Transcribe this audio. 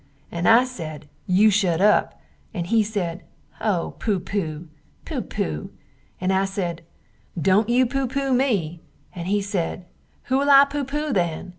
and I sed, You shut up! and he sed, O pooh pooh pooh pooh and I sed, Dont you pooh pooh me! and he sed, Who will I pooh pooh then?